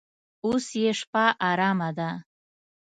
اوس یې شپه ارامه ده.